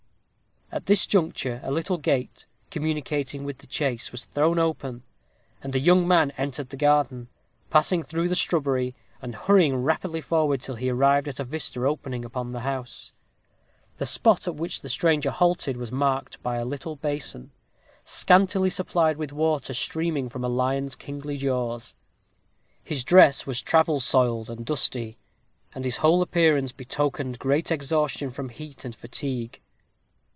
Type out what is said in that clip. At this juncture a little gate, communicating with the chase, was thrown open, and a young man entered the garden, passing through the shrubbery, and hurrying rapidly forward till he arrived at a vista opening upon the house. The spot at which the stranger halted was marked by a little basin, scantily supplied with water, streaming from a lion's kingly jaws. His dress was travel soiled, and dusty; and his whole appearance betokened great exhaustion from heat and fatigue.